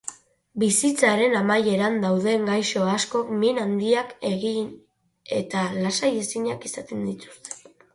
Bizitzaren amaieran dauden gaixo askok min handiak eta lasai-ezinak izaten dituzte.